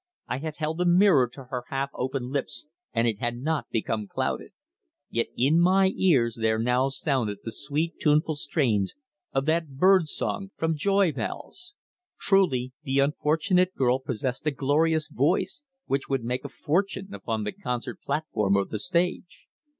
I had held a mirror to her half open lips and it had not become clouded. Yet in my ears there now sounded the sweet tuneful strains of that bird song from "Joy Bells." Truly, the unfortunate girl possessed a glorious voice, which would make a fortune upon the concert platform or the stage.